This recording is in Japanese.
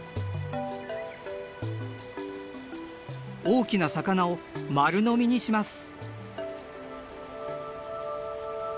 大きな魚を丸飲みにします。